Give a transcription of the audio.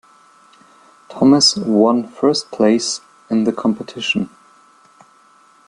Thomas one first place in the competition.